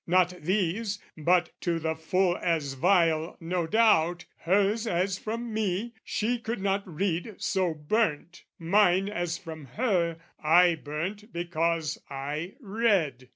"Not these, but to the full as vile, no doubt: "Hers as from me, she could not read, so burnt, "Mine as from her, I burnt because I read.